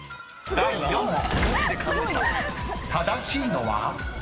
［第４問］